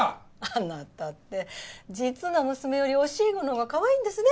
あなたって実の娘より教え子のほうがかわいいんですね。